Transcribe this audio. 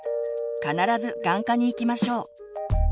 必ず眼科に行きましょう。